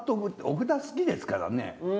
お札好きですからね。